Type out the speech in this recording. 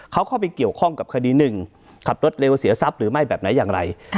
เขาเข้าไปเกี่ยวข้องกับคดีหนึ่งขับรถเร็วเสียทรัพย์หรือไม่แบบไหนอย่างไร